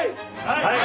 はい。